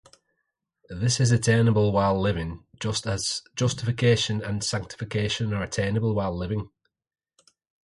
This is attainable while living, just as justification and sanctification are attainable while living.